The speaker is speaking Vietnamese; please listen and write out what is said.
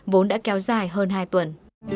vốn đã kéo dài hơn hai tuần